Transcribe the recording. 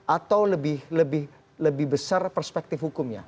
atau lebih lebih lebih besar perspektif hukumnya